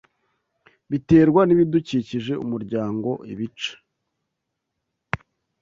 Biterwa n'ibidukikije Umuryango Ibice